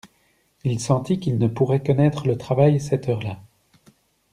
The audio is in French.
Il sentit qu'il ne pourrait connaître le travail, cette heure-là.